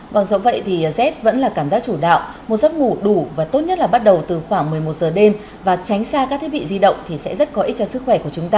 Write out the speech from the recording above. vâng dẫu vậy thì rét vẫn là cảm giác chủ đạo một giấc ngủ đủ và tốt nhất là bắt đầu từ khoảng một mươi một giờ đêm và tránh xa các thiết bị di động thì sẽ rất có ích cho sức khỏe của chúng ta